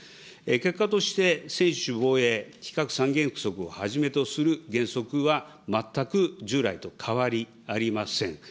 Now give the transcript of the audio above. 結果として、専守防衛、非核三原則をはじめとする原則は全く従来と変わりありません。